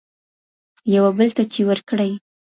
یوه بل ته چي ورکړي